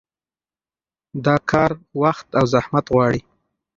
دا کار وخت او زحمت غواړي.